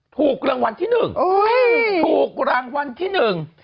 ถูกรางวัลที่หนึ่ง